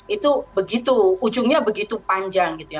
itu begitu ujungnya begitu panjang gitu ya